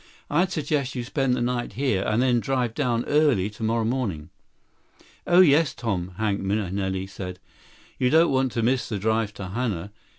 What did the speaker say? I'd suggest you spend the night here, then drive down early tomorrow morning." "Oh, yes, Tom," Hank Mahenili said. "You don't want to miss the drive to Hana.